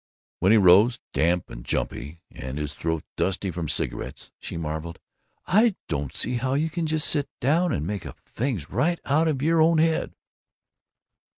When he rose, damp and jumpy, and his throat dusty from cigarettes, she marveled, "I don't see how you can just sit down and make up things right out of your own head!"